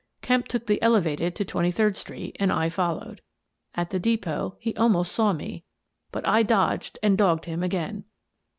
Kemp took the elevated to Twenty third Street, and I followed. At the depot he almost saw me, but I dodged and dogged him again.